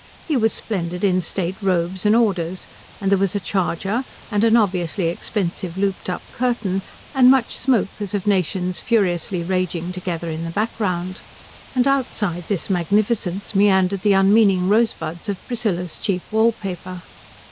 He was splendid in state robes and orders, and there was a charger, and an obviously expensive looped up curtain, and much smoke as of nations furiously raging together in the background, and outside this magnificence meandered the unmeaning rosebuds of Priscilla's cheap wallpaper.